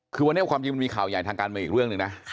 คือวันนี้ความจริงมันมีข่าวใหญ่ทางการเมืองอีกเรื่องหนึ่งนะ